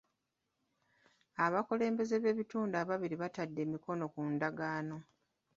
Abakulembeze b'ebitundu ababiri baatadde emikono ku ndagaano.